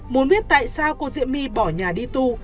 muốn biết tại sao cô diệm my bỏ nhà đi tu